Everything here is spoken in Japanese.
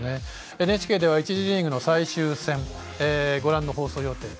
ＮＨＫでは１次リーグの最終戦ご覧の放送予定。